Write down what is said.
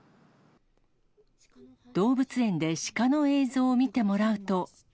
動物園でシカの映像を見てもらうと。